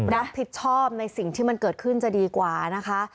รับผิดชอบในสิ่งที่มันเกิดขึ้นจะดีกว่านะคะ